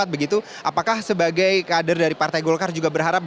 begitu apakah sebagai kader dari partai golkar juga berharap